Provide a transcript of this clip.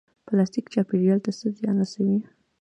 پلاستیک چاپیریال ته څه زیان رسوي؟